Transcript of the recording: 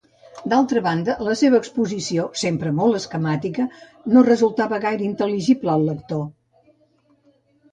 D'altra banda, la seva exposició, sempre molt esquemàtica, no resultava gaire intel·ligible al lector.